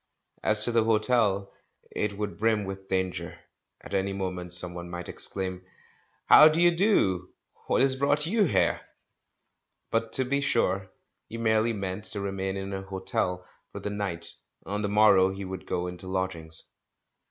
As to the hotel, it would brim with danger: at any moment someone might exclaim, "How d'ye do? — what has brought you here?" But, to be sure, he merely meant to remain in an hotel for the night — on the morrow he would go into lodg ings.